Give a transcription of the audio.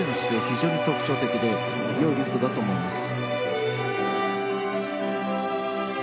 非常に特徴的で良いリフトだと思います。